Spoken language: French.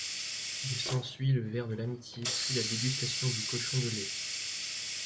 Il s'ensuit le verre de l'amitié puis la dégustation du cochon de lait.